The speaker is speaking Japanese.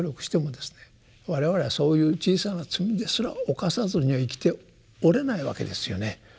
我々はそういう小さな罪ですら犯さずには生きておれないわけですよね。